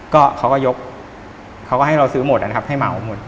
ก็เขาก็ยกเขาก็ให้เราซื้อหมดนะครับให้เหมาหมด